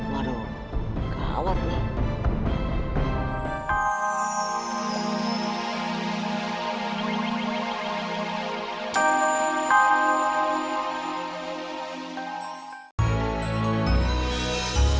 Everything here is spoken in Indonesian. waduh gawat nih